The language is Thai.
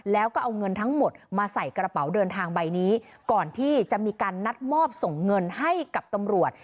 แล้วก็เอาเงินทั้งหมดมาใส่กระเป๋าเดินทางใบนี้ก่อนที่จะมีการนัดมอบส่งเงินให้กับตำรวจ